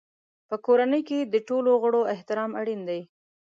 په کورنۍ کې د ټولو غړو احترام اړین دی.